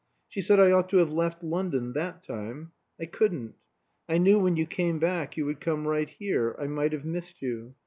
She said I ought to have left London that time. I couldn't. I knew when you came back you would come right here I might have missed you.